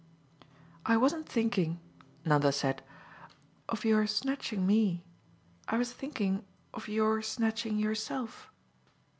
"I wasn't thinking," Nanda said, "of your snatching me. I was thinking of your snatching yourself."